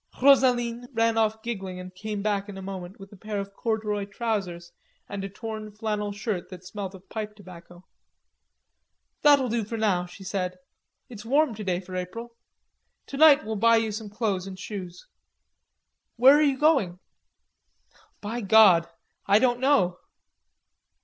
Rosaline ran off giggling, and came back in a moment with a pair of corduroy trousers and a torn flannel shirt that smelt of pipe tobacco. "That'll do for now," she said. "It's warm today for April. Tonight we'll buy you some clothes and shoes. Where are you going?" "By God, I don't know."